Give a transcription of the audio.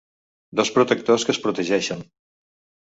Dos protectors que es protegeixen.